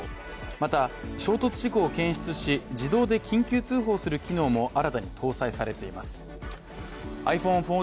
また、衝突事故を検出し自動で緊急通報する機能も新たに搭載されています。